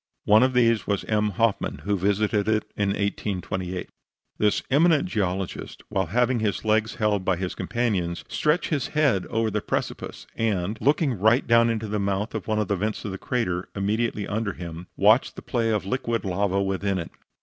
One of these was M. Hoffman, who visited it in 1828. This eminent geologist, while having his legs held by his companions, stretched his head over the precipice, and, looking right down into the mouth of one of the vents of the crater immediately under him, watched the play of liquid lava within it.